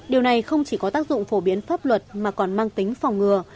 điều này không chỉ có tác dụng phổ biến pháp luật mà còn mang tính phòng ngừa